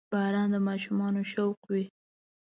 • باران د ماشومانو شوق وي.